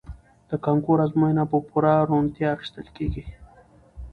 د کانکور ازموینه په پوره روڼتیا اخیستل کیږي.